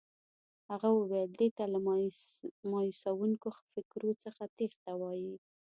هغه وویل دې ته له مایوسوونکو فکرو څخه تېښته وایي.